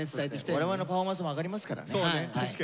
我々のパフォーマンスも上がりますからね。